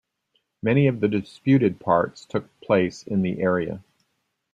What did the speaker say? Many of the disputed parts took place in the area.